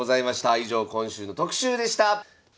以上今週の特集でした。